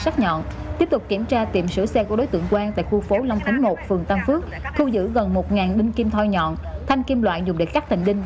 thu giữ gần một đinh kim thoi nhọn thanh kim loại dùng để cắt thành đinh